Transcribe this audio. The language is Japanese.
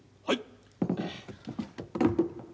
はい。